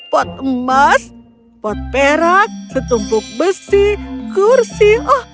pot emas pot perak setumpuk besi kursi